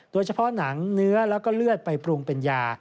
โดยเฉพาะหนังเนื้อแล้วก็เลือดไปปรุงเป็นยา